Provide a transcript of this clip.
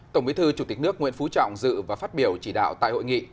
tổng bí thư chủ tịch nước nguyễn phú trọng dự và phát biểu chỉ đạo tại hội nghị